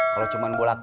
kalau cuma bola kutip